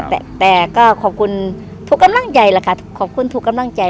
แต่ก็ขอบคุณทุกกำลังใจแหละค่ะขอบคุณทุกกำลังใจ